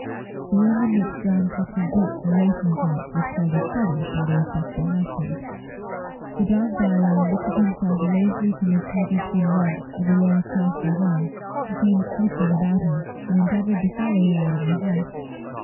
The room in which John kept his boots and racing accounts was called a "study" by the respectful household. The dog Bow wow lifted himself lazily from his tiger skin rug as Aurora crossed the hall, and came sniffing about her, and endeavored to follow her out of the house.